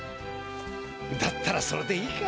だったらそれでいいか。